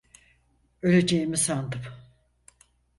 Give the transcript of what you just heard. Öleceğimi sandım.